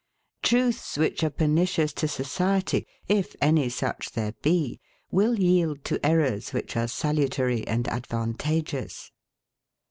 Truths which are pernicious to society, if any such there be, will yield to errors which are salutary and ADVANTAGEOUS.